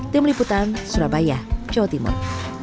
tim liputan surabaya jawa timur